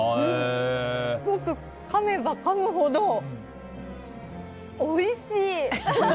かめばかむほど、おいしい！